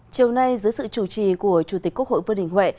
chiều nay dưới sự chủ trì của chủ tịch quốc hội vương đình huệ